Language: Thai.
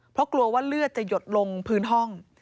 เพราะกลัวว่าเลือดจะหยดลงพื้นห้อง